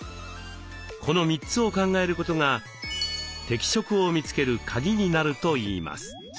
この３つを考えることが「適職」を見つけるカギになるといいます。